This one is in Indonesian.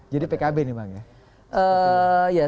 jadi pkb nih bang ya